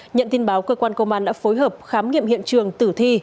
nhận tin báo cơ quan công an đã phối hợp khám nghiệm hiện trường tử thi